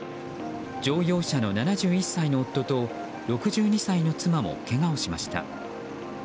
乗用車の７１歳の夫と６２歳の妻もけがをしました。